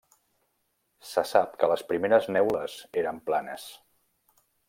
Se sap que les primeres neules eren planes.